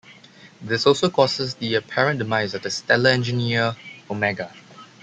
This also causes the apparent demise of the stellar engineer Omega.